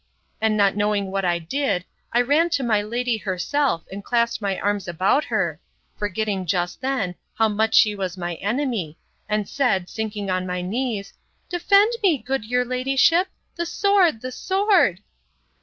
and, not knowing what I did, I ran to my lady herself, and clasped my arms about her, forgetting, just then, how much she was my enemy, and said, sinking on my knees, Defend me, good your ladyship! the sword! the sword!